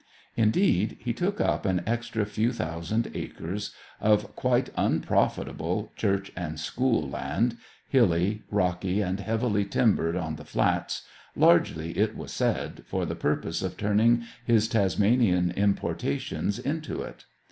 Indeed, he took up an extra few thousand acres of quite unprofitable "Church and School land," hilly, rocky, and heavily timbered on the flats, largely, it was said, for the purpose of turning his Tasmanian importations into it.